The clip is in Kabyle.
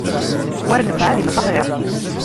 War nnfeɛ ad immet axiṛ.